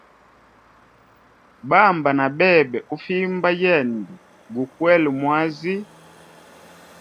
Bamba na bebe ufimba yende gukwele mwazi.